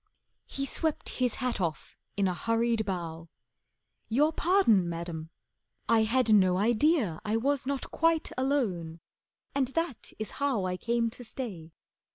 He swept his hat off in a hurried bow. "Your pardon, Madam, I had no idea I was not quite alone, and that is how I came to stay.